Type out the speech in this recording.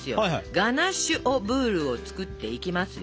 ガナッシュ・オ・ブールを作っていきますよ。